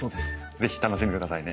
是非楽しんでくださいね。